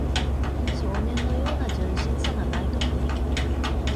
少年のような純真さがないと無理